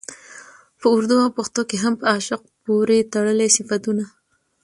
په اردو او پښتو کې هم په عاشق پورې تړلي صفتونه